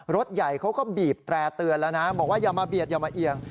รถใหญ่เขาก็บีบแตร่เตือนแล้วนะบอกว่าอย่ามาเบียดอย่ามาเอียง